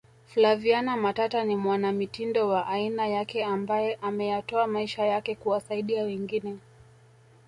Flaviana Matata ni mwanamitindo wa aina yake ambae ameyatoa maisha yake kuwasaidia wengine